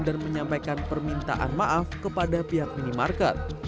dan menyampaikan permintaan maaf kepada pihak minimarket